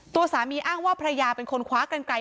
ตัวสามีอ้างว่าภรรยาเป็นคนคว้ากันไกล